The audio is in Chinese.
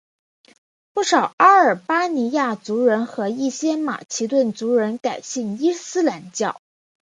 不少阿尔巴尼亚族人和一些马其顿族人改信伊斯兰教。